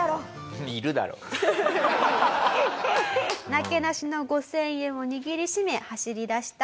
なけなしの５０００円を握りしめ走りだしたアカマツさん。